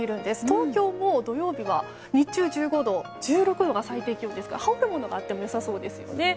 東京も土曜日は日中１５度１６度が最低気温ですから羽織るものがあっても良さそうですよね。